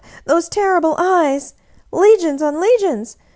Those terrible Eyes ! Legions on legions.